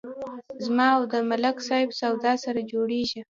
زما او د ملک صاحب سودا سره جوړیږي.